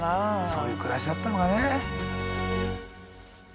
そういう暮らしだったのかね。